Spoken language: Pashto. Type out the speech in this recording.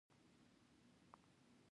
د چاپیریال ساتنه زموږ وجیبه ده.